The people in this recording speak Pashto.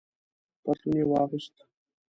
پتلون یې واغوست.